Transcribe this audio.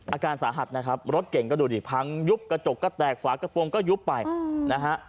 อาการสาหัสนะครับรถเก่งก็ดูดิพังยุบกระจกก็แตกฝากระโปรงก็ยุบไปนะฮะ